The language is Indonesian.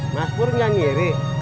mas pur gak ngiri